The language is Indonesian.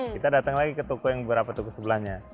kita datang lagi ke toko yang beberapa toko sebelahnya